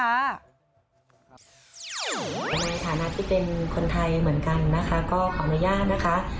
ในฐานะที่เป็นคนไทยเหมือนกันนะคะก็ขออนุญาตนะคะ